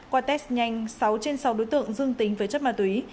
qua test nhanh sáu trên sáu đối tượng dương tính với chất ma túy